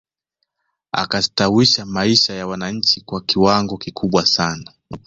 Akastawisha maisha ya wananchi kwa kiwango kikubwa sana